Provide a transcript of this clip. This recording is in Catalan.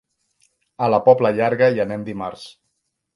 A la Pobla Llarga hi anem dimarts.